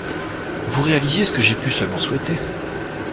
Vous réalisiez ce que j'ai pu seulement souhaiter.